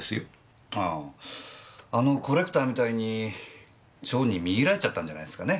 あああのコレクターみたいに蝶に魅入られちゃったんじゃないっすかね。